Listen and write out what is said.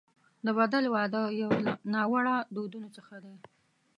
د بدل واده یو له ناوړه دودونو څخه دی.